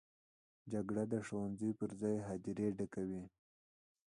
جګړه د ښوونځي پر ځای هدیره ډکوي